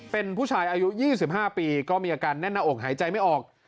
เป็นผู้ชายอายุ๒๕ปีก็มีอาการแน่นหน้าอกหายใจไม่ออก